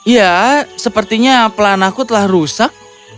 ya sepertinya pelanaku telah rusak